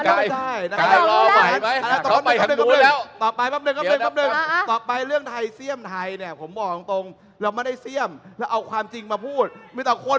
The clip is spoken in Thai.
คุณกายรับโบสถ์แบบนี้แล้วมาวันนี้เกิดเตะฟุตบอลเลยออกมา๗ศูนย์๕ศูนย์แล้ว